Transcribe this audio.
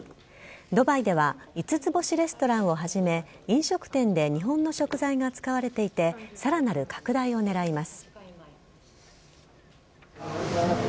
ドバイでは五つ星レストランをはじめ、飲食店で日本の食材が使われていて、さらなる拡大をねらいます。